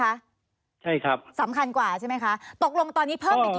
ครับใช่ครับสำคัญกว่าใช่ไหมคะตกลงตอนนี้เพิ่มไปกี่